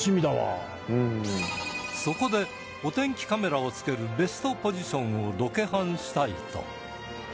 そこでお天気カメラを付けるベストポジションをロケハンしたいと